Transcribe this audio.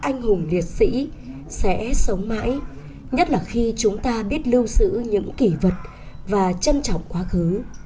anh hùng liệt sĩ sẽ sống mãi nhất là khi chúng ta biết lưu sử những kỷ vật và trân trọng quá khứ